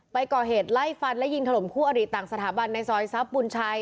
ไปก่อเหตุไล่ฟันและยิงถล่มคู่อริต่างสถาบันในซอยทรัพย์บุญชัย